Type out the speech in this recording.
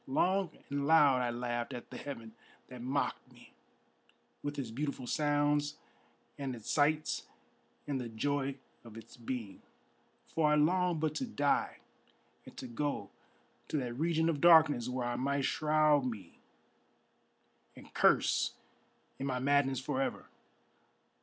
Long and loud I laughed at the heaven that mocked me With its beautiful sounds and its sights and the joy of its being, For I longed but to die and to go to that region of darkness Where I might shroud me and curse in my madness for ever.